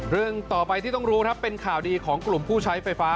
เรื่องต่อไปที่ต้องรู้ครับเป็นข่าวดีของกลุ่มผู้ใช้ไฟฟ้า